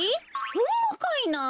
ほんまかいな？